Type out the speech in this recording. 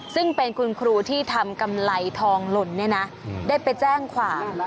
ซึ่งเป็นคุณครูที่ทำกำไรทองหล่นได้ไปแจ้งความ